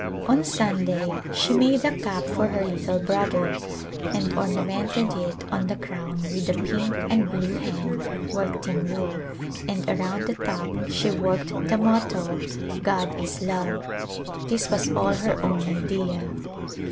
On Sunday she made a cap for her little brother and ornamented it on the crown with a pink and blue hen worked in wool, and around the top she worked the motto, " God is Love." This was all her own idea.